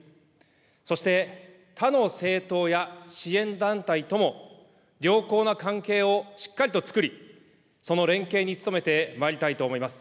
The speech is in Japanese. そして他の政党や支援団体とも良好な関係をしっかりとつくり、その連携に努めてまいりたいと思います。